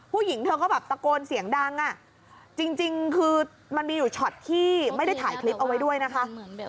ผู้หญิงเธอก็แบบตะโกนเสียงดังอ่ะจริงคือมันมีอยู่ช็อตที่ไม่ได้ถ่ายคลิปเอาไว้ด้วยนะคะ